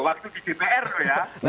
waktu di dpr ya